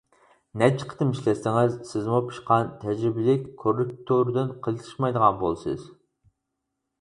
نەچچە قېتىم ئىشلەتسىڭىز، سىزمۇ پىشقان تەجرىبىلىك كوررېكتوردىن قېلىشمايدىغان بولىسىز.